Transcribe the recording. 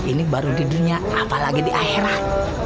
ini baru di dunia apalagi di akhirat